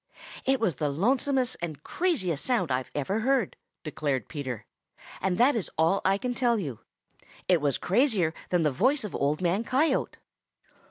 "It was the lonesomest and craziest sound I've ever heard," declared Peter, "and that is all I can tell you. It was crazier than the voice of Old Man Coyote."